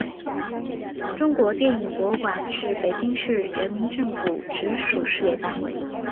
中国电影博物馆是北京市人民政府直属事业单位。